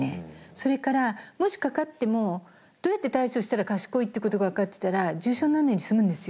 それからもしかかってもどうやって対処したら賢いってことが分かってたら重症になんないで済むんですよ。